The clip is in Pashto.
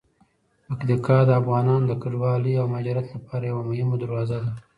پکتیکا د افغانانو د کډوالۍ او مهاجرت لپاره یوه مهمه دروازه ده.